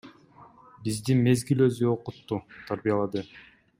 Бизди мезгил өзү окутту, тарбиялады.